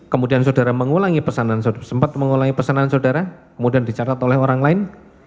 kemudian saudara mengulangi pesanan sempat mengulangi pesanan saudara kemudian dicatat oleh orang lain